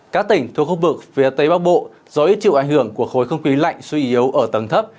các tỉnh thuộc khu vực phía tây bắc bộ do ít chịu ảnh hưởng của khối không khí lạnh suy yếu ở tầng thấp